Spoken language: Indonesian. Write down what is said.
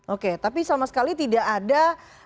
oke tapi sama sekali tidak ada